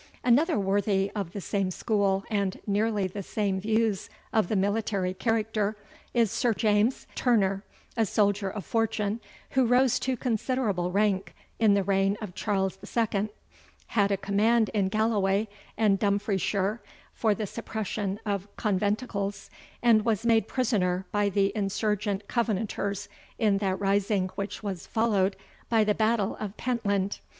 Another worthy of the same school, and nearly the same views of the military character, is Sir James Turner, a soldier of fortune, who rose to considerable rank in the reign of Charles II., had a command in Galloway and Dumfries shire, for the suppression of conventicles, and was made prisoner by the insurgent Covenanters in that rising which was followed by the battle of Pentland.